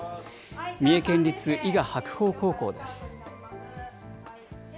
三重県立伊賀白鳳高校です。